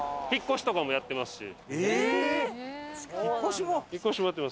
引っ越しもやってます。